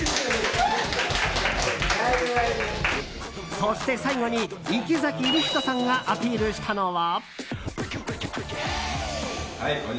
そして最後に池崎理人さんがアピールしたのは。